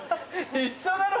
一緒だろ